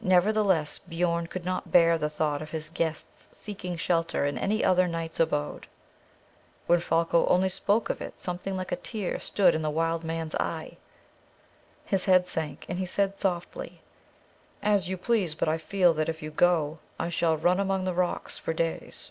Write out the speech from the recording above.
Nevertheless, Biorn could not bear the thought of his guests seeking shelter in any other knight's abode. When Folko once spoke of it, something like a tear stood in the wild man's eye. His head sank, and he said softly, "As you please; but I feel that if you go, I shall run among the rocks for days."